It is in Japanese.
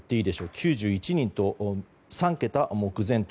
９１人と３桁目前と。